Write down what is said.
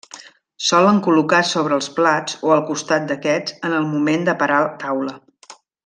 Solen col·locar sobre els plats o al costat d'aquests en el moment de parar taula.